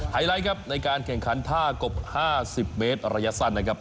ไลท์ครับในการแข่งขันท่ากบ๕๐เมตรระยะสั้นนะครับ